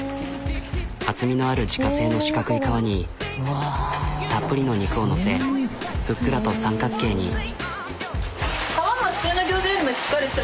厚みのある自家製の四角い皮にたっぷりの肉を載せふっくらと三角形に。